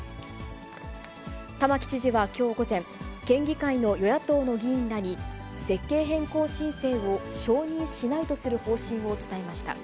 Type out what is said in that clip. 玉城知事はきょう午前、県議会の与野党の議員らに設計変更申請を承認しないとする方針を伝えました。